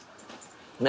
何？